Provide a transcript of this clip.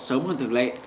sớm hơn thường lệ